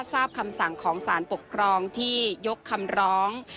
คำสั่งของสารปกครองที่ยกคำร้อง